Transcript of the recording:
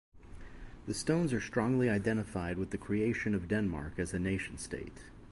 The stones are strongly identified with the creation of Denmark as a nation state.